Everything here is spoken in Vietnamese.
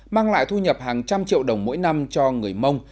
mang lại thu nhập hàng trăm triệu đồng mỗi năm cho người mông